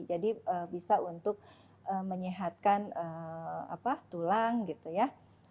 jadi bisa untuk menyehatkan tulang gitu ya